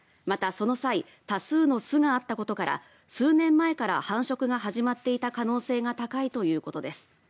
また、その際多数の巣があったことから数年前から繁殖が始まっていた可能性が高いということです。